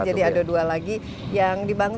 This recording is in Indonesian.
jadi ada dua lagi yang dibangun